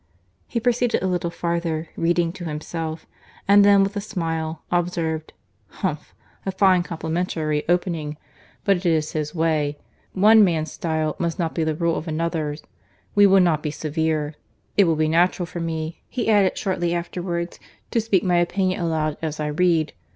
He proceeded a little farther, reading to himself; and then, with a smile, observed, "Humph! a fine complimentary opening: But it is his way. One man's style must not be the rule of another's. We will not be severe." "It will be natural for me," he added shortly afterwards, "to speak my opinion aloud as I read.